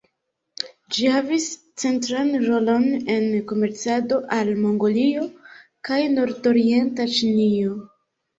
Ĝi havis centran rolon en komercado al Mongolio kaj Nordorienta Ĉinio.